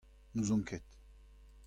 N'ouzont ket.